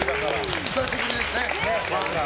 久しぶりですね。